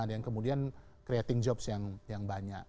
ada yang kemudian creating jobs yang banyak